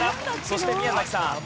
そして宮崎さん。